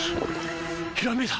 ひらめいた！